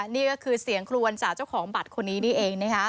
นี่ก็คือเสียงคลวนจากเจ้าของบัตรคนนี้นี่เอง